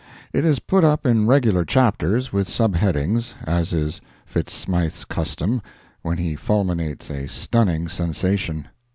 It is put up in regular chapters, with sub headings, as is Fitz Smythe's custom, when he fulminates a stunning sensation.